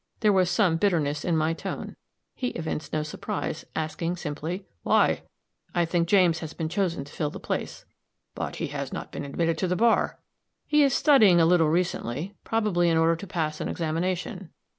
There was some bitterness in my tone; he evinced no surprise, asking, simply, "Why?" "I think James has been chosen to fill the place." "But, he has not been admitted to the bar." "He is studying a little recently; probably in order to pass an examination."